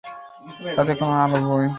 তাতে কোন আলো নেই।